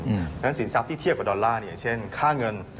เพราะฉะนั้นสินทรัพย์ที่เทียบกับดอลลาร์อย่างเช่นค่าเงิน